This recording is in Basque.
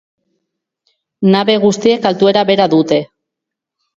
Nabe guztiek altuera bera dute.